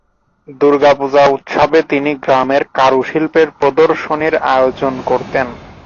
দুর্গা পূজা উৎসবে তিনি গ্রামের কারুশিল্পের প্রদর্শনীর আয়োজন করতেন।